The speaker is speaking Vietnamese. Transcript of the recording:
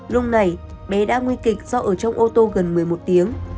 lúc này bé đã nguy kịch do ở trong ô tô gần một mươi một tiếng